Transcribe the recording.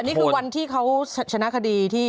นี่คือวันที่เขาชนะคดีที่